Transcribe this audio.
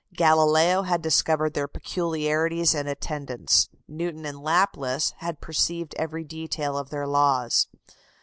Galileo had discovered their peculiarities and attendants. Newton and Laplace had perceived every detail of their laws.